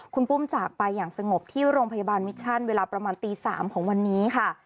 คุณปุ้มจากไปอย่างสงบที่โรงพยาบาลมิชชั่นเวลาประมาณตี๓ของวันนี้ค่ะ